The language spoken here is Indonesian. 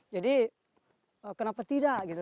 jadi kenapa tidak